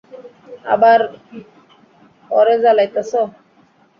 আবার অরে জালাইতাছো!